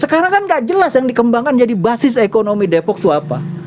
sekarang kan gak jelas yang dikembangkan jadi basis ekonomi depok itu apa